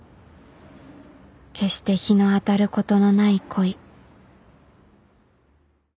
決して日の当たることのない恋